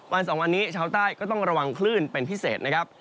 สองวันนี้ชาวใต้ก็ต้องระวังคลื่นเป็นพิเศษนะครับ